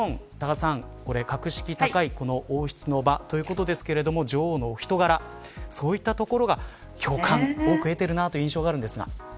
格式高い王室の場ということですが女王からそういったところが共感を得ているなという印象があるんですが。